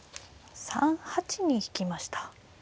３八に引きました。